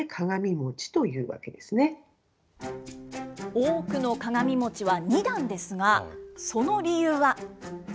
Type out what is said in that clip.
多くの鏡餅は２段ですが、その理由は。